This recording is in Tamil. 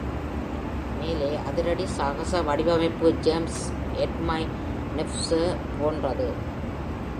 மேலே, அதிரடி-சாகச வடிவமைப்பு "ஜோம்பிஸ் ஏட் மை நெய்ப்ர்ஸ்" போன்றது.